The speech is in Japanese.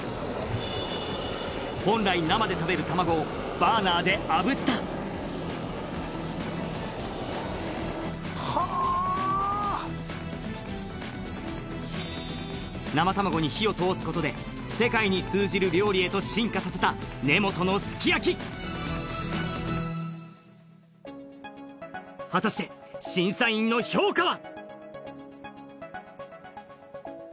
本来生で食べる卵をはあー生卵に火を通すことで世界に通じる料理へと進化させた根本のすき焼き果たして審査員の評価は？